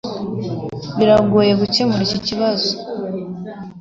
Biragoye gukemura iki kibazo